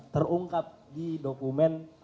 terungkap di dokumen